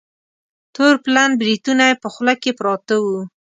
تور پلن بریتونه یې په خوله کې پراته وه.